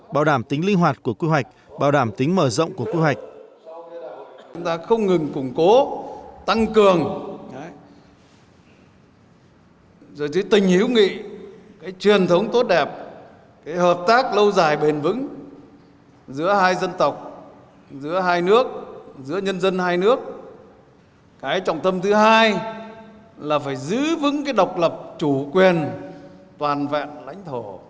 bảo đảm tính linh hoạt của quy hoạch bảo đảm tính mở rộng của quy hoạch